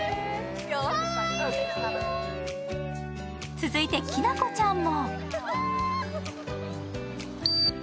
続いて、きなこちゃんも。